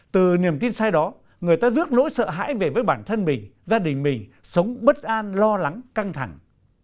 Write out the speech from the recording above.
từ niềm tin sai đó người ta rước nỗi sợ hãi về với bản thân mình gia đình mình sống bất an lo lắng căng thẳng